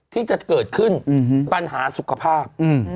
ที่จะเกิดขึ้นปัญหาสุขภาพ